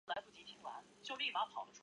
辽宁冠蛭蚓为蛭蚓科冠蛭蚓属的动物。